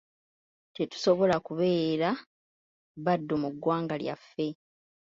Tetusobola kubeera baddu mu ggwanga lyaffe.